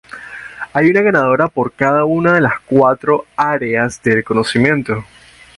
Hay una ganadora por cada una de las cuatro áreas de conocimiento.